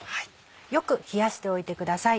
よく冷やしておいてください。